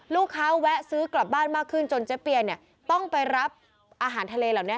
แวะซื้อกลับบ้านมากขึ้นจนเจ๊เปียเนี่ยต้องไปรับอาหารทะเลเหล่านี้